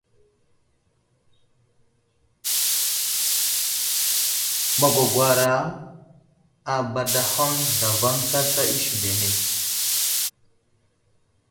Magwagwar abadahaŋ zlavaŋ sarta isindene.